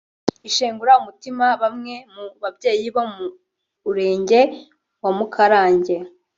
Igishengura umutima bamwe mu babyeyi bo mu urenge wa Mukarange